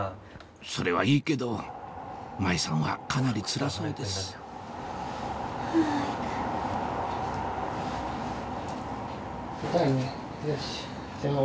それはいいけど麻衣さんはかなりつらそうです痛いねよし。